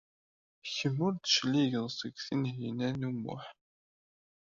Kemm ur d-tecliged seg Tinhinan u Muḥ.